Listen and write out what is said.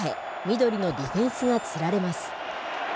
緑のディフェンスがつられます。